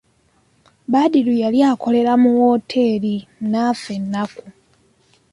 Badru eyali akola mu wooteri n'affa ennaku.